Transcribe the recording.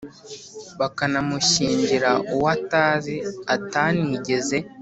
bakanamushyingira uwo atazi atanigeze